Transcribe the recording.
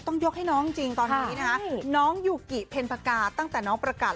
ต้องยกให้น้องจริงตอนนี้นะคะน้องยูกิเพ็ญพกาตั้งแต่น้องประกาศ